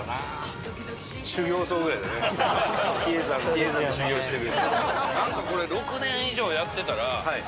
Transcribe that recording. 比叡山で修行してる。